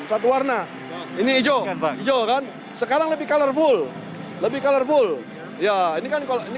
satu warna ini hijau hijau kan sekarang lebih colorful lebih colorful ya ini kan kalau ini